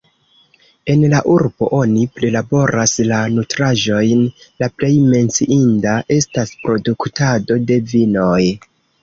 En la urbo oni prilaboras la nutraĵojn, la plej menciinda estas produktado de vinoj.